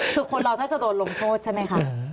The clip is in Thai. คือคนเราน่าจะโดนลงโทษใช่ไหมคะ